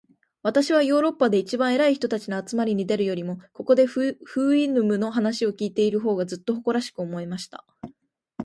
私はヨーロッパで一番偉い人たちの集まりに出るよりも、ここで、フウイヌムの話を開いている方が、ずっと誇らしく思えました。